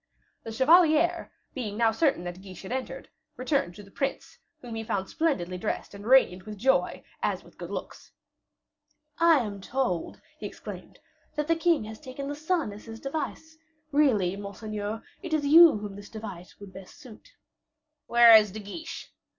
The chevalier, being now certain that Guiche had entered, returned to the prince, whom he found splendidly dressed and radiant with joy, as with good looks. "I am told," he exclaimed, "that the king has taken the sun as his device; really, monseigneur, it is you whom this device would best suit." "Where is De Guiche?"